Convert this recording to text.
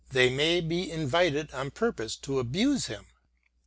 They may be invited on purpose to abuse him."